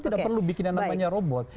tidak perlu bikin yang namanya robot